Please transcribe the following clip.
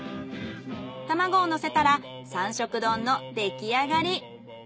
卵をのせたら３色丼の出来上がり。